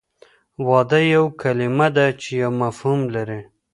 واده یوه کلمه ده چې یو مفهوم لري